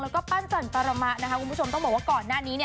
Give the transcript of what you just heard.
และปั้นจัดป